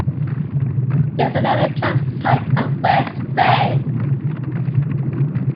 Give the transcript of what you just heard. There is another campsite at West Bay.